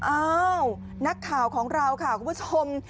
อ้าวนักข่าวของเราค่ะคุณผู้ชม